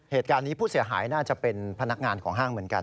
เหตุการณ์นี้ผู้เสียหายน่าจะเป็นพนักงานของห้างเหมือนกัน